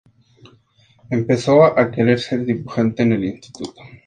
Empezó a querer ser dibujante en el instituto.